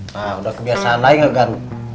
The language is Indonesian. nah udah kebiasaan lain gak kan